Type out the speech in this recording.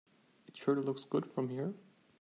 It sure looks good from here.